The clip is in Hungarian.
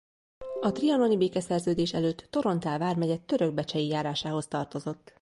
A trianoni békeszerződés előtt Torontál vármegye Törökbecsei járásához tartozott.